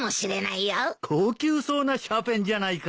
高級そうなシャーペンじゃないか。